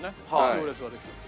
行列ができて。